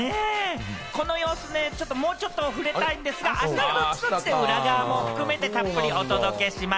この様子ね、もうちょっと触れたいんですが、あしたのＤｏｔｔｉ‐Ｄｏｔｔｉで裏側も含めてたっぷりお届けします。